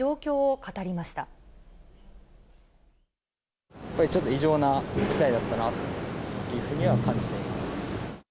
やっぱりちょっと異常な事態だったなというふうには感じています。